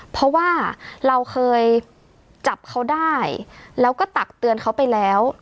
เพราะว่าเราเคยจับเขาได้แล้วก็ตักเตือนเขาไปแล้ว